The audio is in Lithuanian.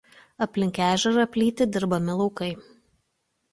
Aplink ežerą plyti dirbami laukai.